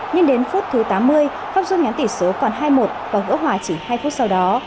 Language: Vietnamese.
nhưng đến phút thứ tám mươi pháp dung nhắn tỷ số còn hai một và gỡ hòa chỉ hai phút sau đó